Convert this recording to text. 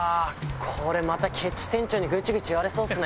これ、またけち店長にぐちぐち言われそうっすね。